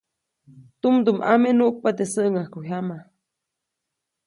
Tumdumʼame nuʼkpa teʼ säŋʼajkujyama.